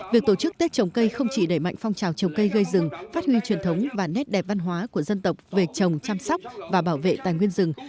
việc tổ chức tết trồng cây không chỉ đẩy mạnh phong trào trồng cây gây rừng phát huy truyền thống và nét đẹp văn hóa của dân tộc về trồng chăm sóc và bảo vệ tài nguyên rừng